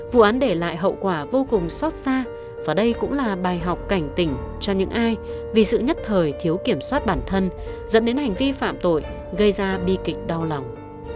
vụ án để lại hậu quả vô cùng xót xa và đây cũng là bài học cảnh tỉnh cho những ai vì sự nhất thời thiếu kiểm soát bản thân dẫn đến hành vi phạm tội gây ra bi kịch đau lòng